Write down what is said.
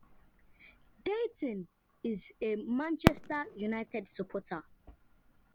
Deayton is a Manchester United supporter.